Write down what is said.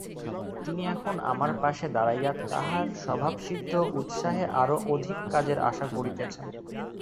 তিনি এখন আমার পাশে দাঁড়াইয়া তাঁহার স্বভাবসিদ্ধ উৎসাহে আরও অধিক কাজের আশা করিতেছেন।